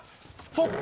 ちょっと！